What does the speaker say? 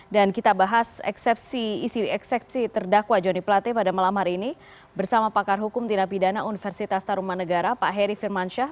dan kita bahas isi eksepsi terdakwa joni plate pada malam hari ini bersama pakar hukum dinapidana universitas taruman negara pak heri firmansyah